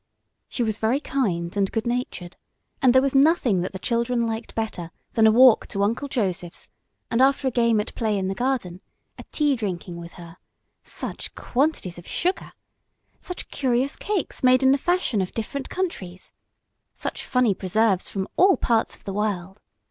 She was very kind and good natured, and there was nothing that the children liked better than a walk to Uncle Joseph's, and, after a game at play in the garden, a tea drinking with her such quantities of sugar! such curious cakes made in the fashion of different countries! such funny preserves from all parts of the world!